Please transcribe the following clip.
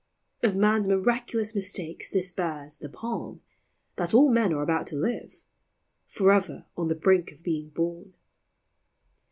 Of man's miraculous mistakes this bears The palm, " That all men are about to live," Forever on the brink of being born.